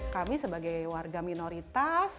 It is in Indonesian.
kami sebagai warga minoritas